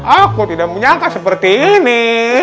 aku tidak menyangka seperti ini